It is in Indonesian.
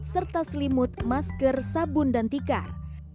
serta selimut masker sabun dan tikar